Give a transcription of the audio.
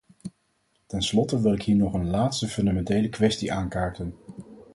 Tenslotte wil ik hier nog een laatste fundamentele kwestie aankaarten.